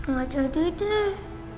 gak jadi deh